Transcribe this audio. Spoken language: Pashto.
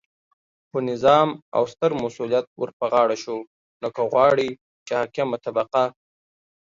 خو نظام او ستر مسؤلیت ورپه غاړه شو، نو که غواړئ چې حاکمه طبقه